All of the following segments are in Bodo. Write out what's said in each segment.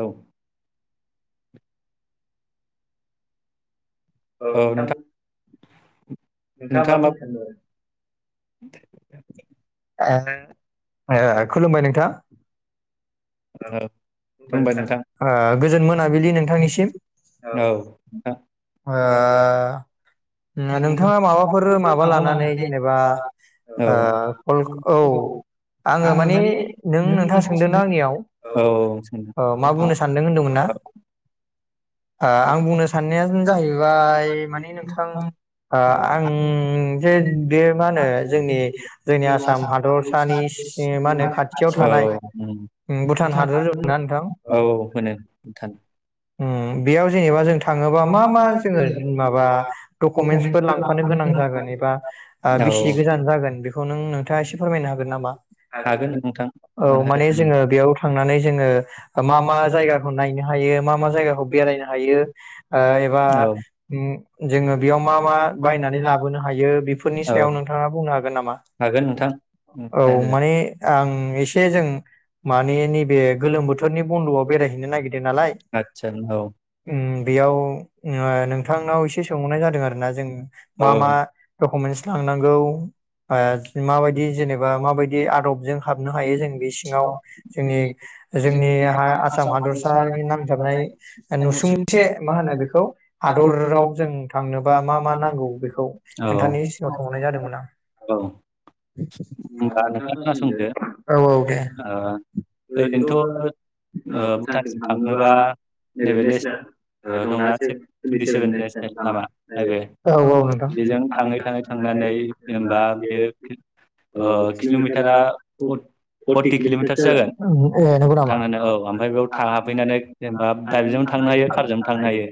औ औ नोंथां नोंथाङा मा बुंनो सानदों आरो। [inaudible] आरो। ए खुलुमबाय नोंथा। [inaudible] गोजोन मोनाबिलि नोंथां। सिम औ ओ। नोंथाङा माबाफोर माबा लानानै जेनेबा। [inaudible] औ आङो माने नों नोंथाङा सोंदोंना आंनियाव मा बुंनो सानदों होनदोंमोन ना। आं बुंनो साननाया जाहै- माने नोंथां आं जे बे मा होनो जोंनि आसाम हादरसानि सि मा होनो खाथियाव थानाय भुटान हादर ना नोंथां औ उम बेयाव जेनेबा जों थाङोबा मा-मा जोङो माबा दकुमेन्सफोर लांफानो गोनां जागोन एबा बेसि गोजान जागोन बेखौ नों नोंथाङा एसे फोरमायनो हागोन नामा औ माने जोङो बेयाव थांनानै जोङो मा-मा जायगाखौ नायनो हायो मा मा जायगाखौ बेरायनो हायो ओ एबा उम जोङो बेयाव मा मा बायनानै लाबोनो हायो बेफोरनि सायाव नोंथाङा बुंनो हागोन नामा औ माने आं एसे जों माने नैबे गोलोम बोथोरनि बन्दआव बेरायहैनो नागिरदों नालाय [unintelligible] नोंथांनाव एसे सोंहरनाय जादों आरो ना जों मा मा दुकमेन्स लांनांगौ? ओ माबायदि जेनेबा माबायदि आदबजों हाबनो हायो जों बि सिङाव जोंनि जोंनि आसाम हादरसानि नाम थानाय नुसुंसे मा होनो बेखौ हादराव जों थांनोबा मा मा नांगौ बेखौ नोंथांनि सिङाव सोंहरनाय जादोंमोन आं। औ होनबा नोंथां खोनासंदो ओ ओरैनोथ' ओ भुटानसिम थांनोबा औ औ नोंथां। जेनेबा बियो ओ किल'मिटारा फर्टि किल' मिटारसो जागोन थांनानै औ ओमफ्राय बेयाव थाफैनानै जे बाइकजोंबो थांनो हायो कारजोंनो थांनो हायो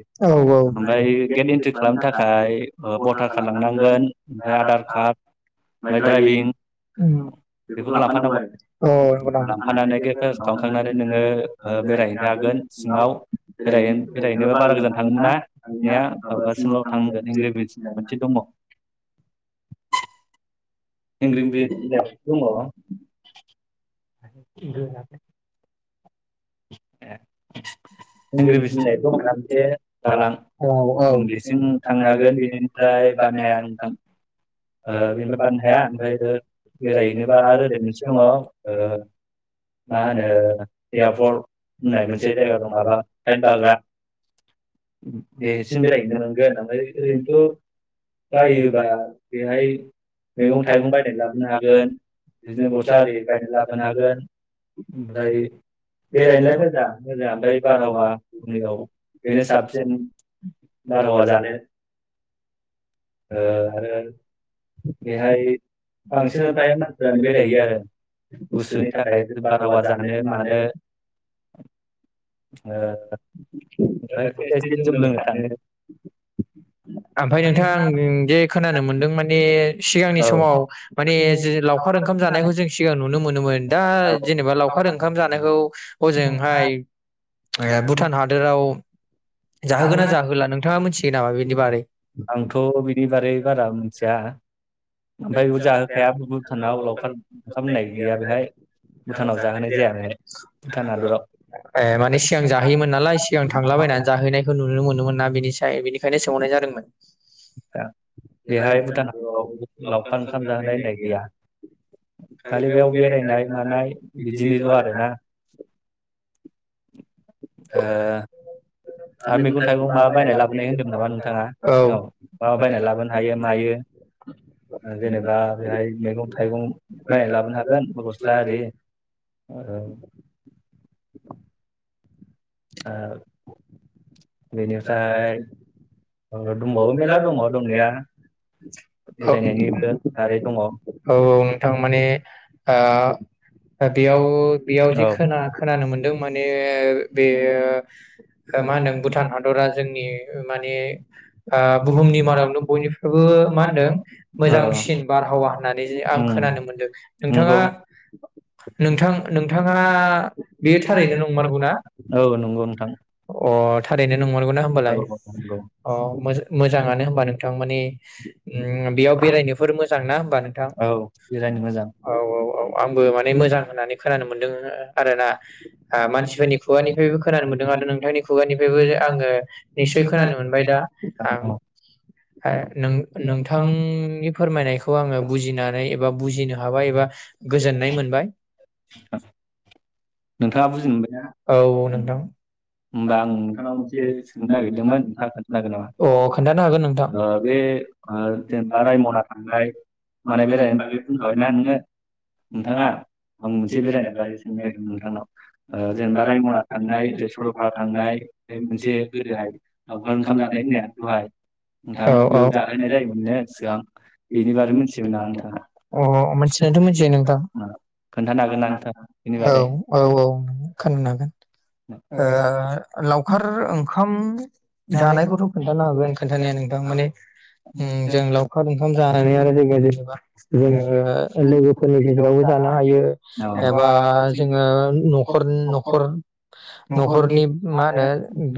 ओमफ्राय गेट इन्ट्रि खालामनो थाखाय ओ भटार कार्ड लांनांगोन ओमफाय आधार ओम अ नंगौ नामा? सिङाव बे बेरायनाय बारा गोजान थांनो मोना दानिया माबा सिमल' थांनो मोनगोन [unintelligible] [unintelligible] दंङ गोरा ए हिंग्रि ब्रिसनि होननाय दं मोनसे दालां बेजों थांनो हागोन बेनिफ्राय बारनो हाया नोंथां बेनिफ्राय बारनो हाया ओमफ्राय बेरायहैनोबा मोनसे दङ मा होनो फलक होननाय मोनसे जायगा दं माबा फ्लाइद बाग्रा बेसिम बेरायहैनो मोनगोन ओमफाय ओरैनोथ' बायोबा बेहाय मैगं थाइगं बायनानै लाबोनो हागोन बिदिनो गस्ला आरि बायनानै लाबोनो हागोन ओमफ्राय बेरायनोलाय मोजां मोजांङालाय। बारहावायाव बेनो साबसिन बारहावा जानो ओ आरो बेहाय बांसिन फ्राय मानसिफ्रानो बेरायहैयो आरो गुसुनि थाखाय बारहावा जानो मानो। [inaudible] आमफाय नोंथां आं दे खोनानो मोनदों माने सिगांनि समाव माने जि लावखार ओंखाम जानायखौ जों सिगां नुनो मोनोमोन दा जेनेबा लावखार ओंखाम खौ हजोंहाय ओ भुटान हादोराव जाहोगोना जाहोला नोंथाङा मोनथि यो नामा बेनि बारै आंथ' बिनि बारै बारा मोनथिया। [unintelligible] ए माने सिगां जाहोयोमोन नालाय सिगां थांलाबायनानै जाहैनायखौ नुनो मोनोमोन ना बिनिसाय बिनि खायनो सोंहरनाय जादोंमोन। आ बेहाय भुटान हादराव लावखार ओंखाम जाहोनाय होनाय गैया खालि बेयाव बेरायनाय मानाय बिदिनिल आरोना। ओ आर मैगं थाइगं मा बायना लाबोनाय होन्दों नामा नोंथाङा सिगाङाव मा बायना लाबोनो हायो मायो जेनेबा बेहाय मैगं थाइगं बायना लाबोनो हागोन गस्ला आरि ओ [inaudible] आब बेनिफ्राय औ औ नोंथां माने आ बेयाव बेयाव जे खोना-खोनानो मोनदों माने बे मा होनदों भुटान हादरा जोंनि माने बे ओ बुहुमनि मादावनो बयनिफ्रायबो मा होनदों मोजांसिन बारहावा होननानै जे आं खोनानो मोनदों नोंथाङा नोंथां-नोंथाङा बे थारैनो नंमारगौना अ थारैनो नंमारगौना ना होमबालाय औ मोजा मोजाङानो होमबा नोंथां मानि ओम बेयाव बेरायनोफोर मोजां ना होमबा नोंथां औ औ औ औ आंबो माने मोजां होननानै खोनानो मोनदों आरोना मानसिफोरनि खुगानिफ्रायबो खोनानो मोनदों आरो नोंथांनि खुगानि बो आङो खोनानो मोनबाय दा आं ओ नों-नोंथांनि फोरमायनायखौ आङो बुजिनानै एबा बुजिनो हाबाय एबा गोजोननाय मोनबाय। नोंथाङा बुजिमोनबायना? औ नोंथां होमबा आं नोंथांनाव मोनसे सोंनो नागिरदोंमोन नोंथाङा खोनथा हागोन नाम? अ खोन्थानो हागोन नोंथां बे जेनेबाय मना थांनाय मालने बेरायनायनि बागै बुंखाबायना नोङो नोंथाङा आं मोनसे बेरायनाय बागै सोंनो नागिरदोंमोन। नाव जेनेबा रायमना थांनाय तेजपुर थांनाय मोनसे गोदोयखार ओंखाम जानाय होननाया बेवहाय नोंथां बेयाव जालायनाय जायोमोननो सिगां बेनि बादै मिथियोमोन नामा? ओम खोनानो हागोन ना नोंथां बेनि बागै? औ औ नों खोनानो हागोन। ओ ओ लावखार ओंखाम जानायखौथ खोन्थानो हागोन। खोन्थानाया नोंथां माने उम जों लावखार ओं खाम जानाया जों जेसेबां जोङो लोगोफोरनि गेजेरावबो जानो हायो एबा जों ओ न'खर नख'र नखरनि मा होनो ओ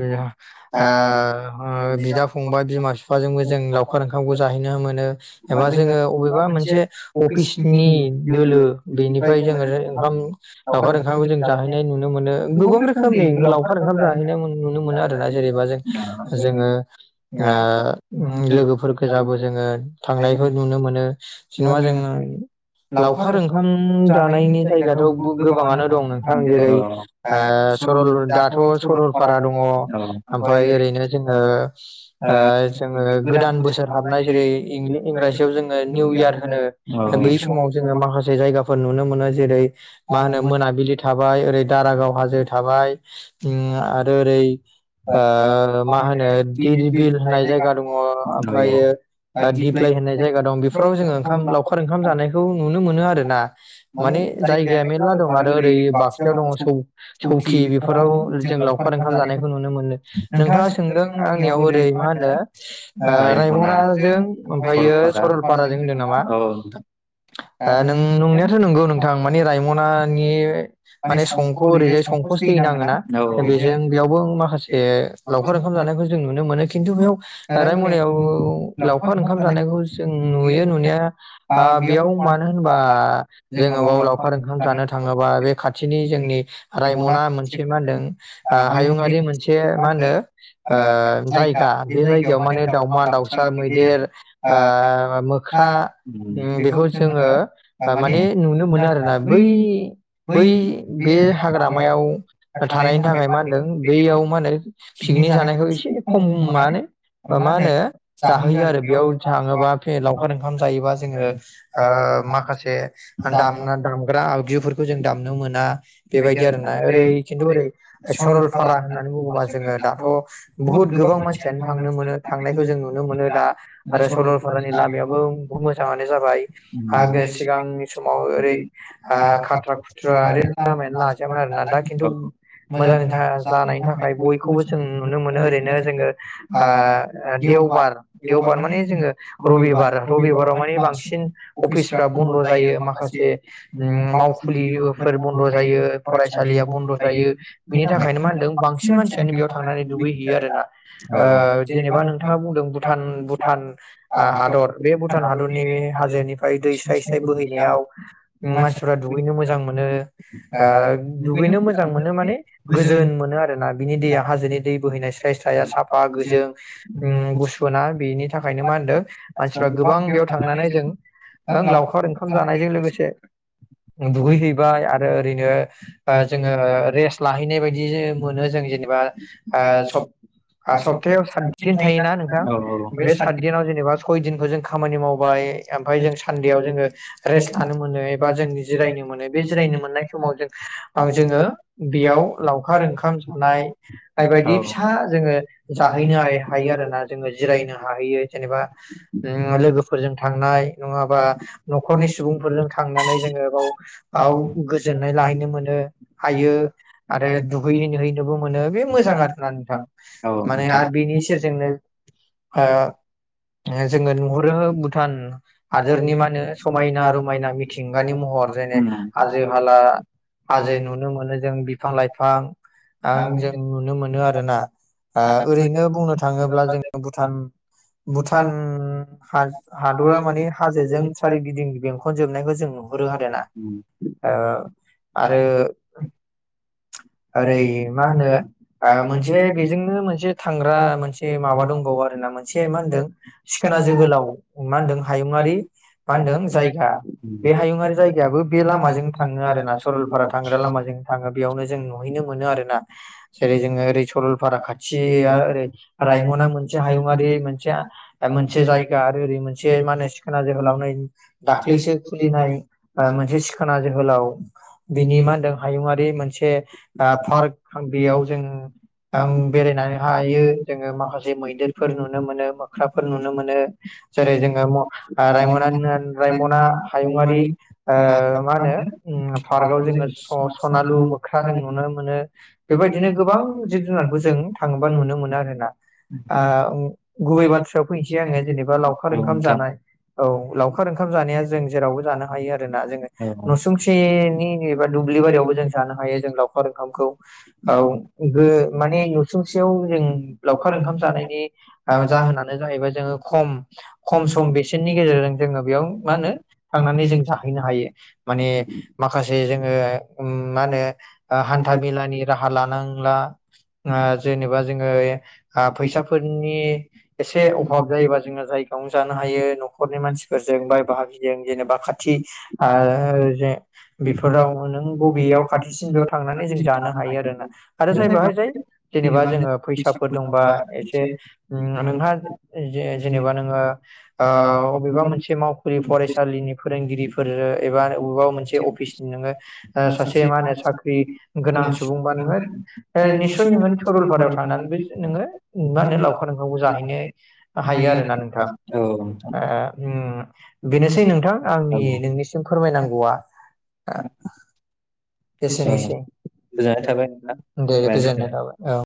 बिदा, फंबाय, बिमा, बिफाजोंबो जों लावखार ओंखामखौ जाहैनो मोन एबा जोङो अबेबा मोनसे अफिसनि दोलो बेनिफ्राय जोङो ओंखाम लावखार ओंखामखौ जों जाहैनाय नुनो मोनो गोबां रोखोमनि लावखार ओंखाम जाहैनाय नुनो मोनो आरोना जेनेबा जों जोङो ओ लोगोफोर गोजाबो जोङो थांनायबो नुनो मोनो। जेनेबा जोङो लावखार ओंखाम जानायनि जायगाथ' गोबाङानो दं नोंथां जेरै ओ सरल दाथ' सरलपारा दङ ओमफ्राय ओरैनो जोङो ओ जोङो गोदान बोसोर हाबनाय जेरै इंराजियाव जोङो निउ इयार होनो बै समाव जोङो माखासे जायगाफोर नुनो मोनो जेरै मा होनो मोनाबिलि थाबाय ओरै दारागाव बाजै थाबाय आरो ओरै ओ मा होनो दिरबिल होननाय जायगा दङ ओमफ्रायो दिपलाइ होननाय जायगा दं। बेफोराव जोङो ओंखाम लावखार ओंखाम जानायखौ नुनो मोनो आरो ना माने जायगाया मे [unintelligible] दं आरो ओरै बाक्सायाव दं सौकि बेफोराव जों लावखार ओंखाम जानायखौ नुनो मोनो। नोंथाङा सोंदों आंनियाव ओरै मा होनो ओ रायम'ना जों ओमफायो सरलपाराजों होनदों नामा? नों नंनायाथ' नंगौ आं माने राय मनानि माने संख' ओरैजाय संखस दै नाङोना बेजों बेयावबो माखासे लावखार ओंखाम जानायखौ जों नुनो मोनो खिन्थु बेयाव रायमनायाव लावखार ओंखाम जानायखौ जों नुयो नुनाया ओ बेयाव मानो होनबा जोङो बेयाव लाव ओंखाम जानो थाङोबा बे खा खाथिनि जोंनि रायमना मोनसे मा होनदों ओ हायुंआरि मोनसे मा होनो ओ जायगा बे जायगायाव माने दाावमा दाउसा मैदेर ओ मोख्रा बेखौ जोङो माने नुनो मोनो आरोना बै बै बे हाग्रामायाव थानायनि थाखाय मा होनदों बैयाव मा होनो पिकनिक जानायखौ एसे खमानो मा होनो जाहैयो आरो बेयाव थाङोबा लावखार ओंखाम जायोबा जोङो ओ माखासे दामना दाम आगजुफोरखौ जों दामनो मोना बेबायदि आरो ना ओरै खिन्थु ओरै सरलफारा होननानै बुङोबा जोङो दाथ' बुहुत गोबां मानसियानो थांनो मोनो थांनायखौ जों नुनो मोनो दा आरो सरलफारानि लामायाबो बुहुत मोजाङानो जाबाय आ सिगांनि समाव ओरै [unintelligible] लाजायामोन आरोना दा खिन्थु मोजांनि थार जानायनि थाखाय बयखौबो जों नुनो मोनो ओरैनो जोङो देवबार ओ देवबार माने जोङो रबिबार रबिबाराव माने बांसिन अफिसफ्रा बन्द जायो माखासे मावखुलिफोर बन्द जायो फरायसालिया बन्द थायो बिनि थाखायनो मा होनदों बांसिन मानसियानो बेयाव थांनानै दुगैहैयो आरोना जेनेबा नोंथाङा बुंदों भुटान भुटान हादर बे भुटान हादरनि हाजोनिफ्राय दै स्राय स्राय बोहैनायाव मानसिफ्रा दुगैनो मोजां मोनो ओ दुगैनो मोजां मोनो माने गोजोन मोनो आरोना बिनि दैया हाजोनि दै बोहैनायस [unintelligible] साफा गोजों ओम गुसु ना बेनि थाखायनो मा होनदों मानसिफ्रा गोबां बेयाव थांनानै जों लावखार ओंखाम जानायजों लोगोसे दुुगै हैबाय आरो ओ ओरैनो जोङो रेस्ट लाहैनाय बायदि मोनो जों जेनेबा आ सफ आ सप सप्तायाव सातदिन थायोना नोंथां बे सातदिनाव जेनेबा सय दिनखौ जों खामानि माव बाय ओमफ्राय जों सानदेआव जोङो रेस्ट लानो मोनो बा जों जिरायनो मोनो बे जिरायनो मोननाय समाव जों जोङो बेयाव लावखार ओंखाम जानाय बे बायदि फिसा जोङो जाहैनो हायो आरोना जोंङो जिरायनो हैयो जेनेबा लोगोफोरजों थां हाय नङाबा नखरनि सुबुंफोरजों नानै जोङो बाव बाव गोजोननाय लाहैनो मोनो हायो आरो दुगै हैनो-हैैनोबो मोनो नो बे मोजां आरोना नोंथां माने आरो बेनि सेरजोंनो ओ जोङो नुहुरो भुटान हादोरनि मा होनो समायना रमायना गानि महर जेने हाजो हाला हाजो नुनो मोनो जों बिफां लाइफां जों नुनो मोन आरोना आ पपओरैनो बुंनो थाङोब्ला जों भुटान भुटान हा हादरा माने हाजोजों सोरगिदिं बेंखन जोबनायखौ जो नुहरो आरो ना ओ आरो ओरै मा होनो मोनसे बेजोंनो मोनसे थांग्रा मोनसे माबा दंबावो आरो ना मोनसे मा होनदों सिखोना जोहोलाव मा होनदों हायुङारि मा होनदों जायगा। बे हायुङारि जायगायाबो बे लामाजों थाङो आरो ना सरलपारा थांग्रा लामाजों थाङो बेयावनो जों नुनो सहैनो मोनो आरो ना जेरै जोङो ओरै सरलपारा खाथियाव ओरै रायमना मोनसे हायुङारि मोनसे मोनसे जायगा आरो ओरै मोनसे मा होनो सिखोना जोहोलावनो दाख्लैसो खुलिनाय मोनसे सिखोना जोहोलाव बिनि मा होनदों हायुङारि मोनसे ओ पार्क बेयाव जोंङो आं बेरायनानै हाय जोङो माखासे मैदेरफोर नुनो मोनो मोख्राफोर नुनो मोनो जेरै जोङो रायमना रायमना हायुङारि मा होनो पार्कआव जोङो सनालु मोख्रा जों नुनो मोनो बेबायदिनो गोबां जिब जुनारखौ जों थाङोबा नुनो मोनो आरोना आ गुबै बाथ्रायाव फैनोसै आङो जेनेबा लावखार ओंखाम जानाय औ लावखार ओंखाम जानाया जोंनि। जेरावबो जानो हायो आरो ना जोङो नसुंसेनि एबा दुब्लि बारियावबो जों जानो हायो जों लावखार ओंखामखौ औ। माने नुसुंसेयाव जों लावखार ओंखाम जानायनि जाहोनानो जाहैबाय जोङो खम खम सम बेसेननि गेजेरजों जोङो बेयाव मा होनो थांनानै जों जाहैनो हायो माने माखासे जोङो मा होनो हान्था मेलानि राहा लानां थांला जेनेबा जोङो फैसा फोरनि ए एसे अभाब जायोबा जोङो जायगायावनो जानो हायो नखरनि मानसिफोरजों बाय बाहागिजों जेनेबा खाथि जे बेफोराव नों बबेयाव खाथिसिन बेयाव थांनानै जों जानो हायो आरोना आरो जाय बेहाय जाय जेनेबा जोङो फैसाफोर दंबा एसे ओम नोंहा जे जेनेबा नोङो ओ अबेबा मोनसे मावखुलि फरायसालिनि फोरोंगिरिफोर एबा बबेबा मोनसे अफिसनि नोङो ओ सासे मा होनो साख्रि गोनां सुबुंबा नोङो ओ निसय नोङो सरलपारायाव थांनानै नोङो मा होनो लावखार ओंखामखौ जा हायो आरोना नोंथां ओ उम बेनोसै नोंथां। आंनि नोंनिसिम फोरमायनांगौआ ओ एसेनोसै गोजोननाय थाबाय नोंथां दे औ गोजोननाय थाबाय।